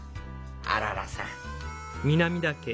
あららさん。